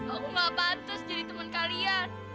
aku gak pantas jadi temen kalian